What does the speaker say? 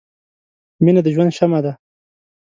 • مینه د ژوند شمعه ده.